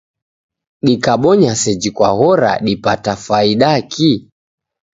Dikabonya seji kwaghora dipata fwaidaki?